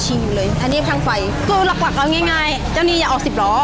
เจ้านี่อย่าออกสิบล้อ